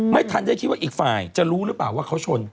ไม่ทันได้คิดว่าอีกฝ่ายจะรู้หรือเปล่าว่าเขาชน